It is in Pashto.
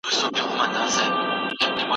که کار په شوق سره وسي نو پایله یې مثبته وي.